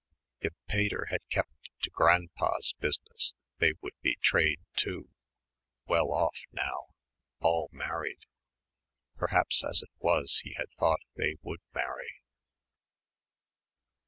If Pater had kept to Grandpa's business they would be trade, too well off, now all married. Perhaps as it was he had thought they would marry.